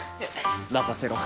まかせろ！